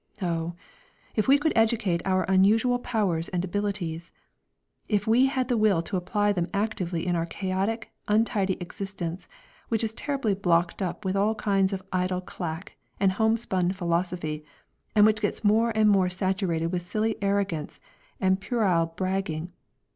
Oh, if we could educate our unusual powers and abilities, if we had the will to apply them actively in our chaotic, untidy existence, which is terribly blocked up with all kinds of idle clack and home spun philosophy, and which gets more and more saturated with silly arrogance and puerile bragging.